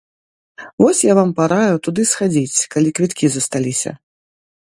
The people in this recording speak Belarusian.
Вось я вам параю туды схадзіць, калі квіткі засталіся.